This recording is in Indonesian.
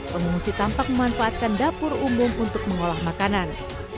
pengungsi tampak memanfaatkan dapur umum untuk mengolah makanan